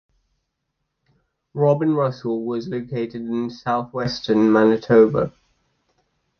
Roblin-Russell was located in southwestern Manitoba.